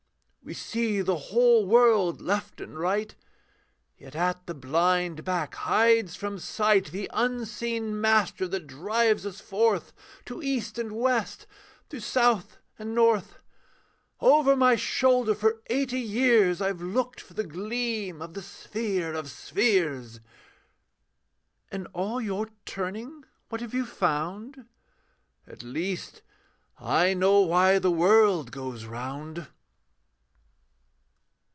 'We see the whole world, left and right, Yet at the blind back hides from sight The unseen Master that drives us forth To East and West, to South and North. 'Over my shoulder for eighty years I have looked for the gleam of the sphere of spheres.' 'In all your turning, what have you found?' 'At least, I know why the world goes round.'